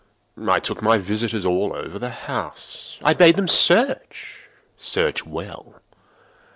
I took my visitors all over the house. I bade them search—search well.